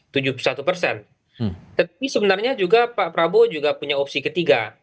tetapi sebenarnya juga pak prabowo juga punya opsi ketiga